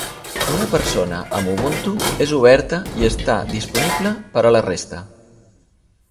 Una persona amb ubuntu és oberta i està disponible per a la resta